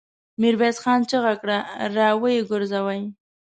ميرويس خان چيغه کړه! را ويې ګرځوئ!